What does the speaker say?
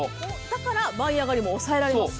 だから舞い上がりも抑えられます。